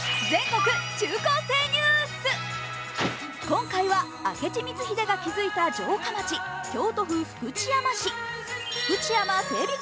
今回は明智光秀が築いた城下町京都府福知山市。福知山成美